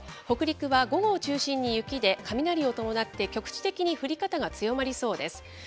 北陸は午後を中心に雪で、雷を伴って局地的に降り方が強まりそうです。